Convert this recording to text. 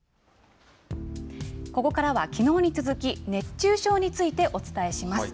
ここからは、きのうに続き、熱中症についてお伝えします。